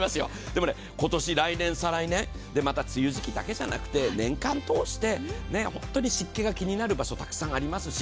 でもね、今年、来年、再来年、梅雨時だけじゃなくて年間通してホントに湿気が気になるところありますよ。